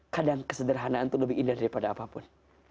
kadang kesederhanaan itu lebih indah daripada apapun